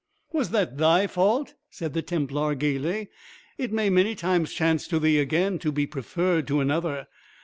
"Was that thy fault?" said the Templar, gaily. "It may many times chance to thee again to be preferred to another.